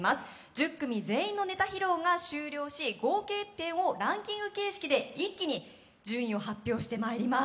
１０組全員のネタ披露が終了し合計点をランキング形式で一気に順位を発表してまいります。